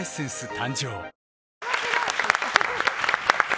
誕生